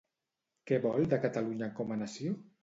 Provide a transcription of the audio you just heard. Què vol de Catalunya com a nació?